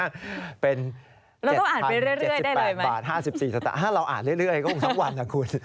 เราต้องอ่านไปเรื่อยได้เลยมั้ยถ้าเราอ่านเรื่อยก็คงทั้งวันนะคุณ